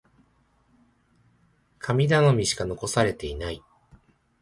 神頼みしか残されていない。